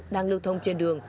đang lưu thông trên đường